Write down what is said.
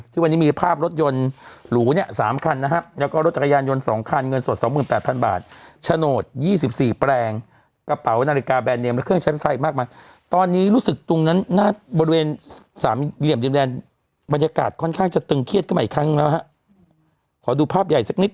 ที่วันนี้มีภาพรถยนต์หรูเนี่ยสามคันนะฮะแล้วก็รถจักรยานยนต์สองคันเงินสดสองหมื่นแปดพันบาทโฉนดยี่สิบสี่แปลงกระเป๋านาฬิกาแบรนเมมและเครื่องใช้ประเทศไทยมากมายตอนนี้รู้สึกตรงนั้นหน้าบริเวณสามเหลี่ยมดินแดนบรรยากาศค่อนข้างจะตึงเครียดขึ้นมาอีกครั้งแล้วฮะขอดูภาพใหญ่สักนิด